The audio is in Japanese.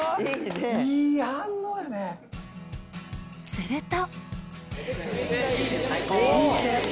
すると